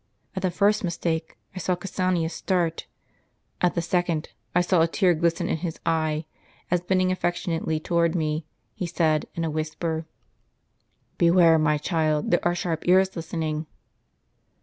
At the first mistake I saw Cassianus start; at the second, I saw a tear glisten in his eye, as bending affectionately toAvards me, he said, in a whisper, ' Beware, my child ; there are sharp ears listening.'